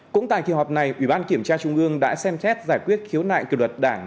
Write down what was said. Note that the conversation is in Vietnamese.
bảy cũng tại kỳ họp này ủy ban kiểm tra trung ương đã xem xét giải quyết khiếu nại kỷ luật đảng